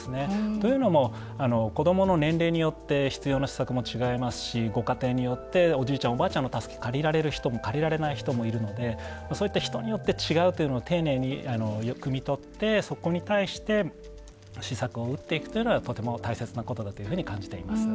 というのも子どもの年齢によって必要な施策も違いますしご家庭によっておじいちゃんおばあちゃんの助け借りられる人も借りられない人もいるのでそういった人によって違うというのを丁寧にくみ取ってそこに対して施策を打っていくというのがとても大切なことだというふうに感じています。